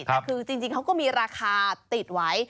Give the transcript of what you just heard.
แต่คือจริงเขาก็มีราคาติดไว้